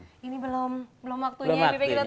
ini belum belum waktunya habib ya kita tunggu dulu ya